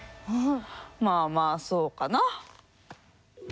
まあまあそうかな？